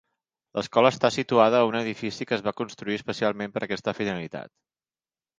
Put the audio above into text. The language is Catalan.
L"escola està situada a un edifici que es va construir especialment per a aquesta finalitat.